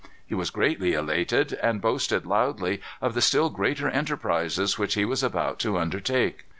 He was greatly elated, and boasted loudly of the still greater enterprises which he was about to undertake.